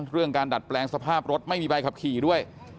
เรื่องการดัดแปลงสภาพรถไม่มีใบขับขี่ด้วย